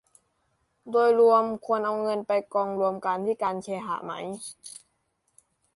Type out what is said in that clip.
โดยรวมควรเอาเงินไปกองรวมกันที่การเคหะไหม